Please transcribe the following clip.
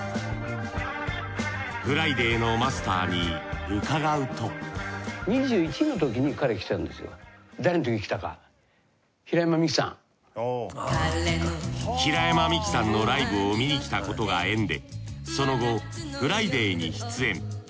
ＦＲＩＤＡＹのマスターに伺うと平山みきさんのライブを観に来たことが縁でその後ＦＲＩＤＡＹに出演。